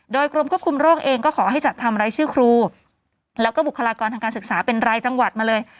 โดยกรมควบคุมโรคเองก็ขอให้จัดทำรายชื่อครูแล้วก็บุคลากรทางการศึกษาเป็นรายจังหวัดมาเลย